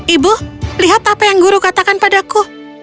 ibu lihat apa yang guru katakan padaku